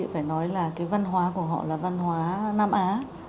phải nói là cái văn hóa của họ là văn hóa nam á